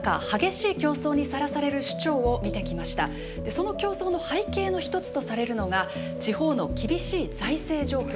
その競争の背景の一つとされるのが地方の厳しい財政状況です。